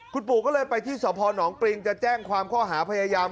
คุณปู่ก็เลยไปที่สพนปริงจะแจ้งความข้อหาพยายาม